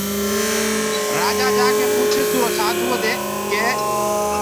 راجآ جآڪي پوٚڇس اُرو سآڌوٚئودي ڪي